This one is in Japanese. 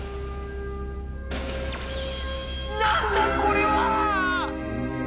何だこれは！